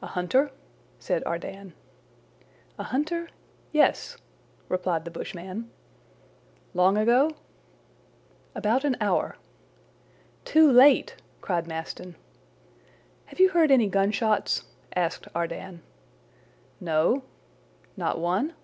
"A hunter?" said Ardan. "A hunter? Yes," replied the bushman. "Long ago?" "About an hour." "Too late!" cried Maston. "Have you heard any gunshots?" asked Ardan. "No!" "Not one?"